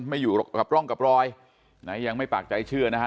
ไม่อยู่กับร่องกับรอยนะยังไม่ปากใจเชื่อนะฮะ